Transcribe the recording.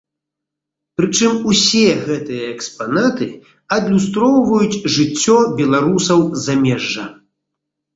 Прычым усе гэтыя экспанаты адлюстроўваюць жыццё беларусаў замежжа.